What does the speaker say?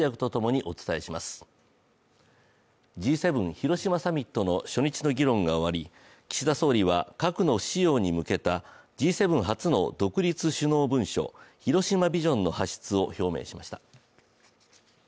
Ｇ７広島サミットの初日の議論が終わり岸田総理は核の不使用に向けたＧ７初の独立首脳文書・広島ビジョンの発出を表明しました。